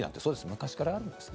昔からあるんです。